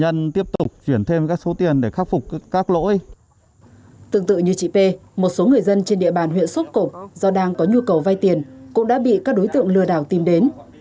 huyện sốt cộng do đang có nhu cầu vay tiền cũng đã bị các đối tượng lừa đảo tìm đến